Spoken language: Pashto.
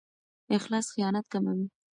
اخلاص خیانت کموي.